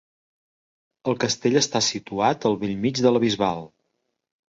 El castell està situat al bell mig de la Bisbal.